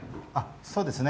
そうですね。